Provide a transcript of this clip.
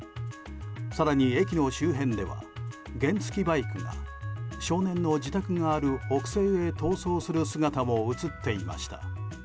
更に、駅の周辺では原付きバイクが少年の自宅がある北西へ逃走する姿も映っていました。